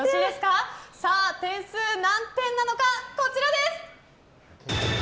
点数、何点なのかこちらです！